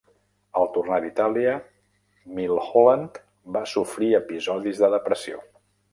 Al tornar d'Itàlia, Milholland va sofrir episodis de depressió.